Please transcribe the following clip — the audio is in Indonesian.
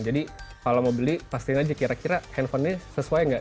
jadi kalau mau beli pastikan aja kira kira handphonenya sesuai nggak